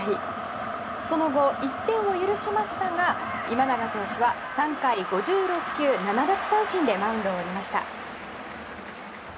その後１点を許しましたが今永投手は３回５６球７奪三振でマウンドを降りました。